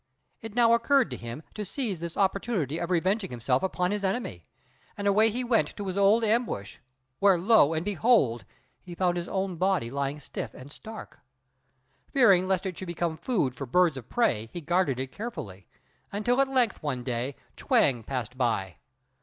It now occurred to him to seize this opportunity of revenging himself upon his enemy; and away he went to his old ambush, where lo and behold! he found his own body lying stiff and stark. Fearing lest it should become food for birds of prey, he guarded it carefully, until at length one day Chuang passed by.